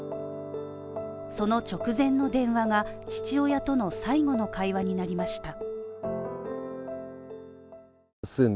その直前の電話が、父親との最後の会話になりました。